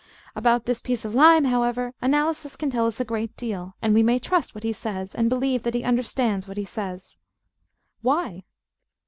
About this piece of lime, however, Analysis can tell us a great deal. And we may trust what he says, and believe that he understands what he says. Why?